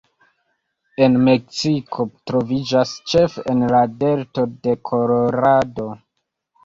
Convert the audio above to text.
En Meksiko troviĝas ĉefe en la delto de Kolorado.